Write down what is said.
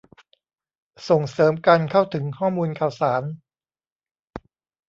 ส่งเสริมการเข้าถึงข้อมูลข่าวสาร